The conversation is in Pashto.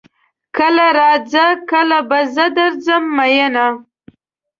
کله راځه کله به زه درځم میینه